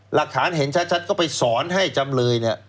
หลักฐานเห็นชัดก็ไปสอนให้จำเลยเนี่ย